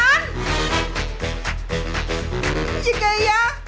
cái gì kỳ vậy